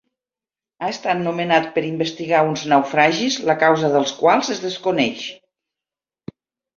Ha estat nomenat per investigar uns naufragis la causa dels quals es desconeix.